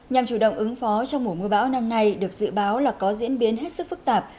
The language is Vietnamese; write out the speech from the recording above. nhằm chủ động ứng phó trong mùa mưa bão năm nay được dự báo là có diễn biến hết sức phức tạp